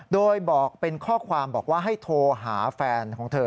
โดยบอกเป็นข้อความบอกว่าให้โทรหาแฟนของเธอ